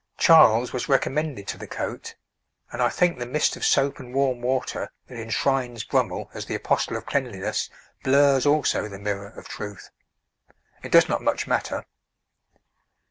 Charles was recommended to the coat, and I think the mist of soap and warm water that enshrines Brummell as the Apostle of Cleanliness blurs also the mirror of truth. It does not much matter.